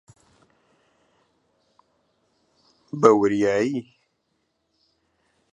بەوریایی!